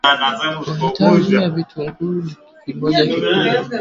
mahitaji ya vitunguu ni kimoja kikubwa